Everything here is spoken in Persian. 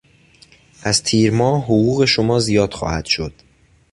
از تیرماه، حقوق شما زیاد خواهد شد.